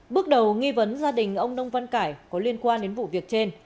bước đầu nghi vấn gia đình ông nông văn cải có liên quan đến vụ việc trên